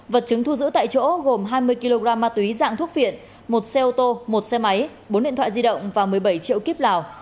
vật chứng thu giữ tại chỗ gồm hai mươi kg ma túy dạng thuốc viện một xe ô tô một xe máy bốn điện thoại di động và một mươi bảy triệu kíp lào